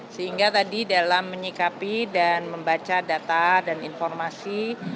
sehingga tadi dalam menyikapi dan membaca data dan informasi